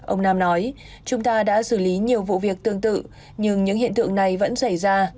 ông nam nói chúng ta đã xử lý nhiều vụ việc tương tự nhưng những hiện tượng này vẫn xảy ra